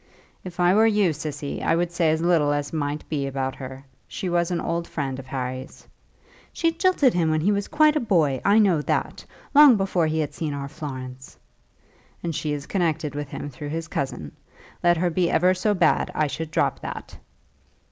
"If I were you, Cissy, I would say as little as might be about her. She was an old friend of Harry's " "She jilted him when he was quite a boy; I know that; long before he had seen our Florence." "And she is connected with him through his cousin. Let her be ever so bad, I should drop that."